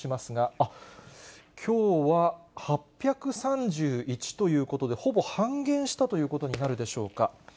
あっ、きょうは８３１ということで、ほぼ半減したということになるでしょうか。